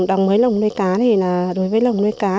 đồng với lồng nuôi cá đối với lồng nuôi cá